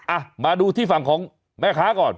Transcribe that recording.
อ่ะมาดูที่ฝั่งของแม่ค้าก่อน